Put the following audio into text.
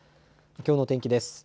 きょうの天気です。